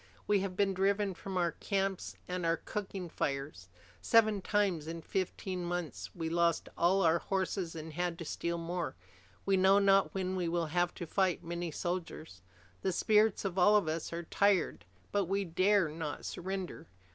We have been driven from our camps and our cooking fires. Seven times in fifteen months we lost all our horses and had to steal more. We know not when we will have to fight many soldiers. The spirits of all of us are tired, but we dare not surrender."